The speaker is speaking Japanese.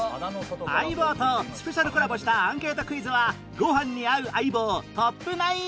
『相棒』とスペシャルコラボしたアンケートクイズはご飯に合う相棒トップ９